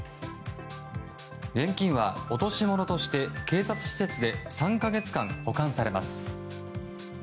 現金は落とし物として警察施設で３か月間保管されます。